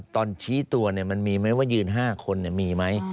ตอนชี้ตัวมันมีไหมว่ายืน๕คนมีไหม